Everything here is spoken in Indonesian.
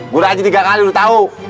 gua haji tiga kali udah tau